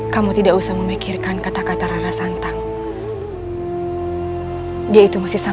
kamu sudah mulai tertipu dengan sikap bar embora